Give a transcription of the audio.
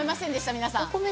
皆さん。